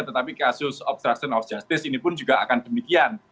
tetapi kasus obstruction of justice ini pun juga akan demikian